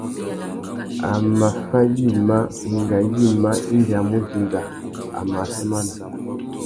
A mà fá yïmá, wenga yïmá indi a mù dinga, a mù assamana.